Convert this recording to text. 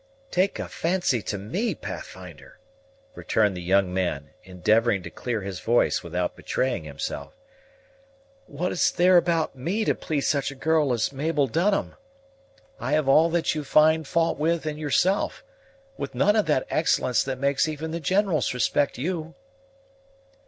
"Take, a fancy to me, Pathfinder!" returned the young man, endeavoring to clear his voice without betraying himself; "what is there about me to please such a girl as Mabel Dunham? I have all that you find fault with in yourself, with none of that excellence that makes even the generals respect you."